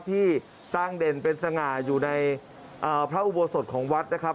ที่สร้างเด่นเป็นสง่าอยู่ในพระอุโบสถของวัดนะครับ